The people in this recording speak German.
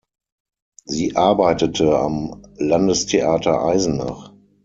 Sie arbeitete am Landestheater Eisenach.